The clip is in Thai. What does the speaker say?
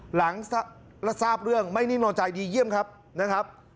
หลังรับทราบเรื่องไม่นิ่งนอนใจดีเยี่ยมครับนะครับ